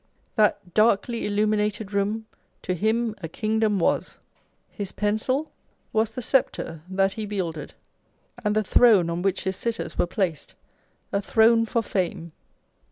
That darkly illuminated room " to him a kingdom was :" his pencil was the sceptre that he wielded, and the throne on which his sitters were placed, a throne for Fame.